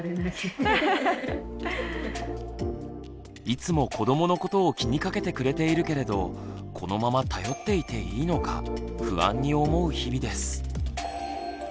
いつも子どものことを気にかけてくれているけれどこのまま頼っていていいのか不安に思う日々です。